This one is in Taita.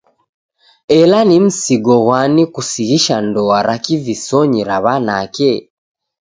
Ela ni msigo ghwani kusighisha ndoa ra kivisonyi ra w'anake?